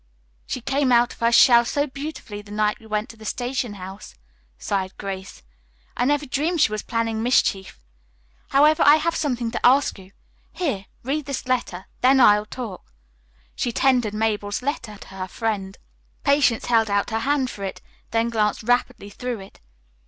"She came out of her shell so beautifully the night we went to the station house," sighed Grace. "I never dreamed she was planning mischief. However, I have something to ask you. Here, read this letter; then I'll talk." She tendered Mabel's letter to her friend. Patience held out her hand for it, then glanced rapidly through it.